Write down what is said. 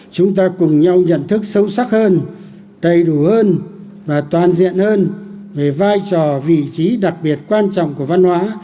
chúng ta cùng nhau nhận thức sâu sắc hơn đầy đủ hơn và toàn diện hơn về vai trò vị trí đặc biệt quan trọng của văn hóa